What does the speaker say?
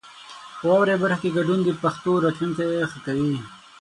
په واورئ برخه کې ګډون د پښتو راتلونکی ښه کوي.